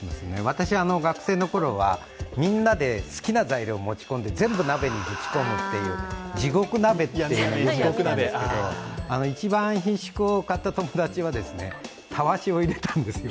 私は学生のころはみんなで好きな材料を持ち込んで全部鍋にぶち込むっていう地獄鍋っていうのをやってましたけど一番ひんしゅくを買った友達はたわしを入れたんですよ。